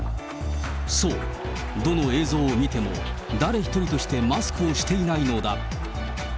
そう、どの映像を見ても、誰一人としてマスクをしていないのだ。